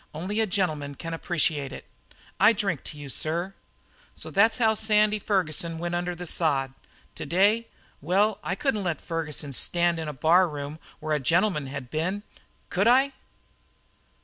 Only a gentleman can appreciate it. I drink to you, sir.' "So that's how Sandy Ferguson went under the sod. To day? Well, I couldn't let Ferguson stand in a barroom where a gentleman had been, could I?"